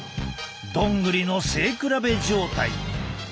ドングリの背比べ状態。